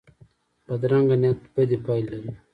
بدرنګه نیت بدې پایلې لري